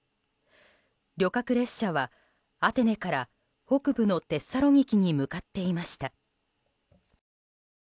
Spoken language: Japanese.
旅客列車はアテネから北部のテッサロニキに向かっていました。